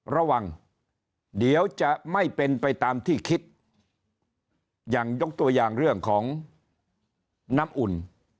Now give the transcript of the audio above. ระวังเดี๋ยวจะไม่เป็นไปตามที่คิดอย่างยกตัวอย่างเรื่องของน้ำอุ่น